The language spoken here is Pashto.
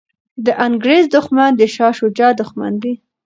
د انګریز دښمن د شاه شجاع دښمن دی.